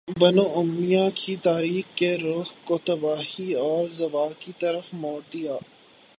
بنو امیہ کی تاریخ کے رخ کو تباہی اور زوال کی طرف موڑ دیا